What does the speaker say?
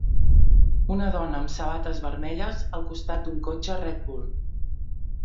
Una dona amb sabates vermelles al costat d'un cotxe Red Bull.